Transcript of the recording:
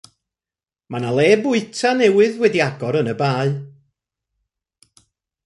Mae yna le bwyta newydd wedi agor yn Y Bae.